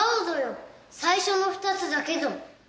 最初の２つだけぞ。